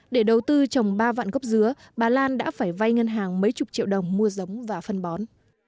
để đầu tư trồng ba vạn gốc dứa bà lan đã phải vay ngân hàng mấy chục triệu đồng mua giống và phân bón